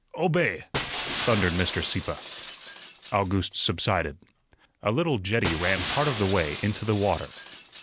"Obey!" thundered Mr. Sieppe. August subsided. A little jetty ran part of the way into the water.